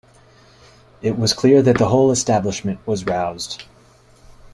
It was clear that the whole establishment was roused.